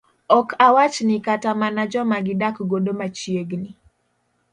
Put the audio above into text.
ok awachni kata mana joma gidak godo machiegni